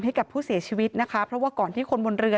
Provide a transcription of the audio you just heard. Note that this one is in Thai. ให้กับผู้เสียชีวิตนะคะเพราะว่าก่อนที่คนบนเรือ